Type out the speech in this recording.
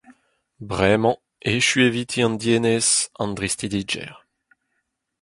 Bremañ echu eviti an dienez, an dristidigezh.